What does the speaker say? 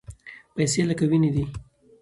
پیسې لکه وینه دي.